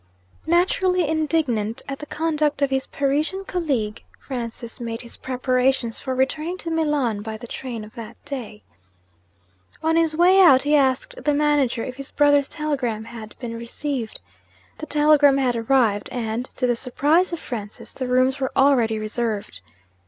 Naturally indignant at the conduct of his Parisian colleague, Francis made his preparations for returning to Milan by the train of that day. On his way out, he asked the manager if his brother's telegram had been received. The telegram had arrived, and, to the surprise of Francis, the rooms were already reserved.